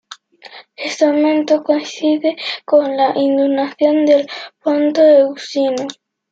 Este aumento coincide con la inundación del Ponto Euxino.